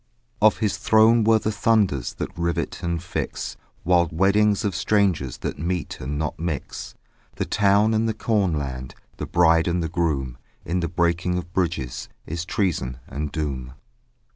Of his throne were the thunders That rivet and fix Wild weddings of strangers That meet and not mix; The town and the cornland; The bride and the groom: In the breaking of bridges Is treason and doom.